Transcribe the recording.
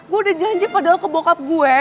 gue udah janji padahal ke bockup gue